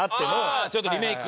ちょっとリメイク。